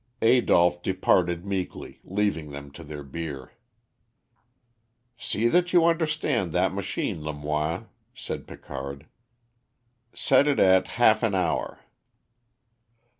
Adolph departed meekly, leaving them to their beer. "See that you understand that machine, Lamoine," said Picard. "Set it at half an hour."